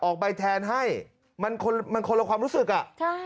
ออกใบแทนให้มันคนมันคนละความรู้สึกอ่ะใช่